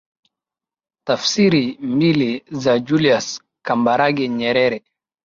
tafsiri mbili za Julius Kambarage Nyerere